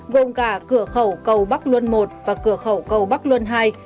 gồm cả cửa khẩu cầu bắc luân i và cửa khẩu cầu bắc luân ii